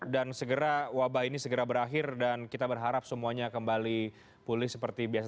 dan segera wabah ini segera berakhir dan kita berharap semuanya kembali pulih seperti biasa